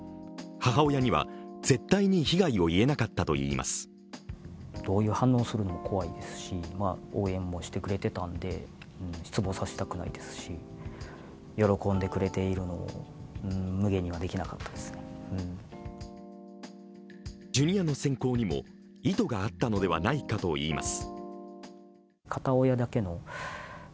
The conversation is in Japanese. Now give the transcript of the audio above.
母親には絶対に被害を言えなかったといいますＪｒ．の選考にも意図があったのではないかと言います。